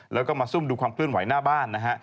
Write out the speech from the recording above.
แล้วก็มาซุ่มดูความเคลื่อนไหวหน้าบ้านนะฮะ